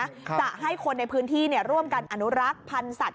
จะให้คนในพื้นที่ร่วมกันอนุรักษ์พันธ์สัตว